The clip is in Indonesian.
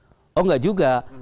oh enggak juga